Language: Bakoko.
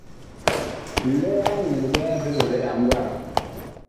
Nlɛɛ ag nyɛɛ liɓɛla li biɓɛɓɛla a gwaag.